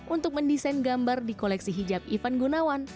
untuk mendesain gambar di koleksi hijab ivan gunawan